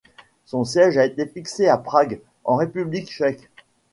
Son siège a été fixé à Prague, en République tchèque.